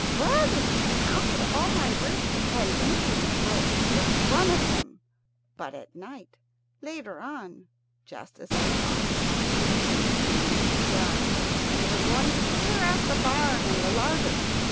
Brother, she counted all my ribs and nearly broke each one of them. But at night, later on just as I thought thieves came into the yard, and were going to clear out the barn and the larder.